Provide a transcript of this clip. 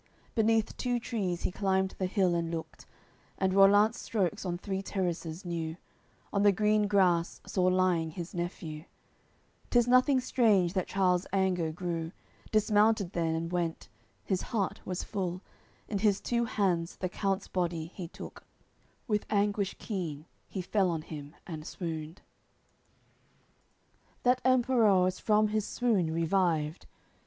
Beneath two trees he climbed the hill and looked, And Rollant's strokes on three terraces knew, On the green grass saw lying his nephew; `Tis nothing strange that Charles anger grew. Dismounted then, and went his heart was full, In his two hands the count's body he took; With anguish keen he fell on him and swooned. CCVI That Emperour is from his swoon revived.